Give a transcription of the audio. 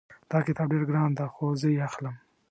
دغه کتاب ډېر ګران ده خو زه یې اخلم